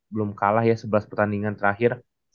belum kalah ya sebelas pertandingan terakhir